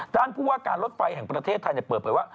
ด้านพูดว่าการลดไฟแห่งประเทศไทยเนี่ยเปิดเผยว่า